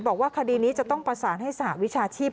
บอกว่าคดีนี้จะต้องประสานให้สหวิชาชีพ